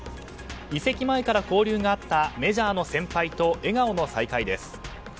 移籍前から交流があったメジャーの先輩と笑顔の再会です。